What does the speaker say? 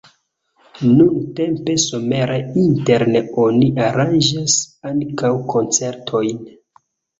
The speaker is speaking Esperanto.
Nuntempe somere interne oni aranĝas ankaŭ koncertojn.